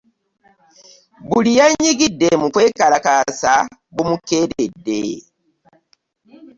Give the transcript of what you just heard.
Buli yenyigidde mu kwekalakaasa bumukereede.